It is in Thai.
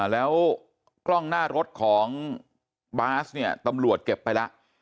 แล้วกล้องหน้ารถของบาสเนี่ยตำรวจเก็บไปแล้ว